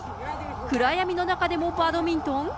暗闇の中でもバドミントン？